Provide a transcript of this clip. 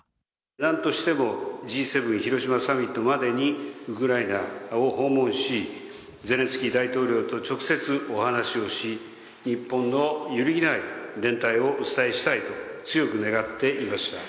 なんとしてもＧ７広島サミットまでにウクライナを訪問し、ゼレンスキー大統領と直接お話をし、日本の揺るぎない連帯をお伝えしたいと、強く願っていました。